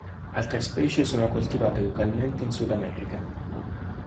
Altre specie sono coltivate localmente in Sudamerica.